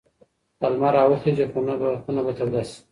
که لمر راوخېژي خونه به توده شي.